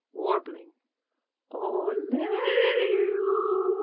(Warbling.) O Leo!